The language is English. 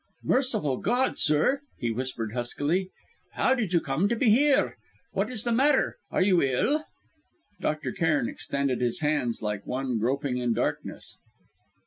"Merciful God, sir!" he whispered huskily, "how did you come to be here? What is the matter? Are you ill?" Dr. Cairn extended his hands like one groping in darkness.